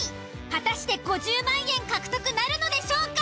果たして５０万円獲得なるのでしょうか？